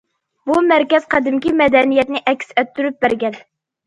بۇ مەركەز قەدىمكى مەدەنىيەتنى ئەكس ئەتتۈرۈپ بەرگەن.